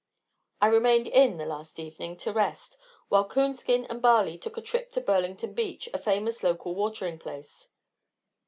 I remained in the last evening to rest, while Coonskin and Barley took a trip to Burlington Beach, a famous local watering place.